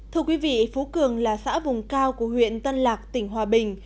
thưa quý vị phú cường là xã vùng cao của huyện tân lạc tỉnh hòa bình